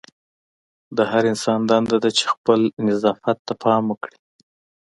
د هر انسان دنده ده چې خپل نظافت ته پام وکړي.